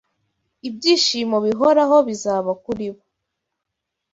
ibyishimo bihoraho bizaba’ kuri bo